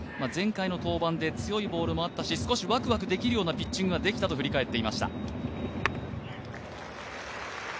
前回の登板で強いボールもあったし、少しワクワクできるようなピッチングができたと振り返っていました。